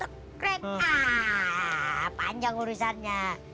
aaaa panjang urusannya